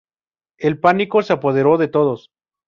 El pánico se apoderó de todos.